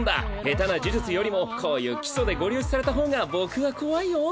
下手な呪術よりもこういう基礎でゴリ押しされた方が僕は怖いよ。